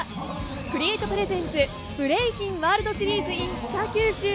ＣｒｅａｔｅＰｒｅｓｅｎｔｓブレイキンワールドシリーズｉｎ北九州。